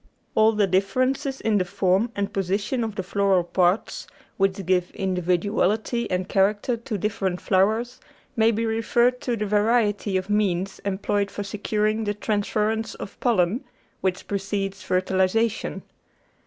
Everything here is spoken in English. All the differences in the form and position of the floral parts, which give individuality and character to differ ent flowers, may be referred to the variety of means employed for securing the transference of pollen, which precedes fertilisa tion.